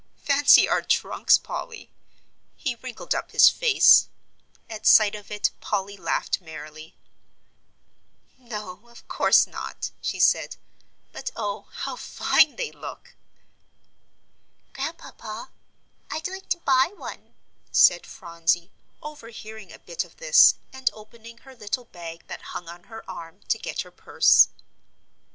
Fancy our trunks, Polly!" He wrinkled up his face; at sight of it Polly laughed merrily. "No, of course not," she said; "but oh, how fine they look!" "Grandpapa, I'd like to buy one," said Phronsie, overhearing a bit of this, and opening her little bag that hung on her arm, to get her purse.